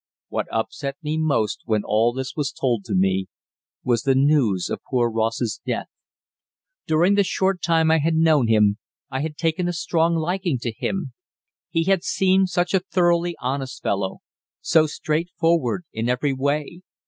What upset me most, when all this was told to me, was the news of poor Ross's death. During the short time I had known him I had taken a strong liking to him. He had seemed such a thoroughly honest fellow, so straightforward in every way.